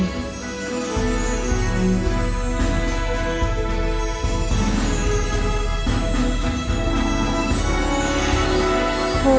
โทแปดตระกูล